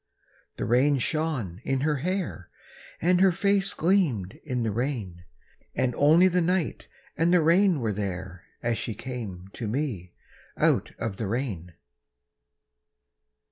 The rain shone in her hair, And her face gleamed in the rain; And only the night and the rain were there As she came to me out of the rain.